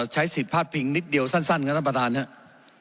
ใช้สิทธิ์พลาดพิงนิดเดียวสั้นครับท่านประธานครับ